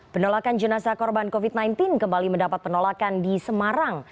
penolakan jenazah korban covid sembilan belas kembali mendapat penolakan di semarang